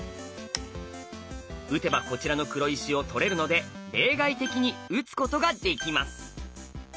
打てばこちらの黒石を取れるので例外的に打つことができます。